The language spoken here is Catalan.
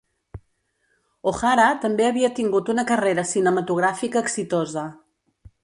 O'Hara també havia tingut una carrera cinematogràfica exitosa.